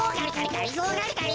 がりぞーがりがり。